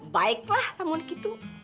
baiklah lamun gitu